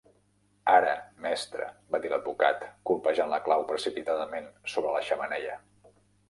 "Ara, mestra", va dir l'advocat, colpejant la clau precipitadament sobre la xemeneia.